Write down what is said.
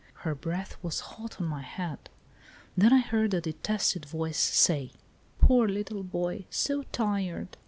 Her breath was hot on my head. Then I heard a detested voice say, " Poor little boy, so tired